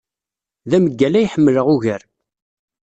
D ameggal ay ḥemmleɣ ugar.